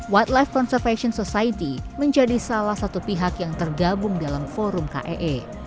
white life conservation society menjadi salah satu pihak yang tergabung dalam forum kee